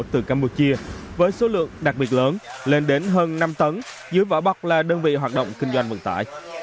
từ campuchia với số lượng đặc biệt lớn lên đến hơn năm tấn dưới vỏ bọc là đơn vị hoạt động kinh doanh vận tải